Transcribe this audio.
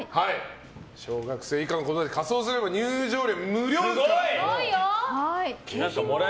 小学生以下の子は仮装すれば入場料無料ですから。